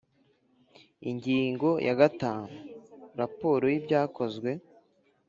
Ingingo ya gatanu Raporo y ibyakozwe